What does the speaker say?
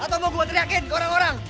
atau mau gue teriakin ke orang orang